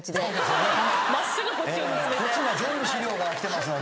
こっちには全部資料が来てますので。